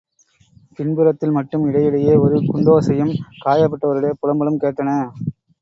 பின்புறத்தில் மட்டும் இடையிடையே ஒரு குண்டோசையும் காயப்பட்டவருடைய புலம்பலும் கேட்டன.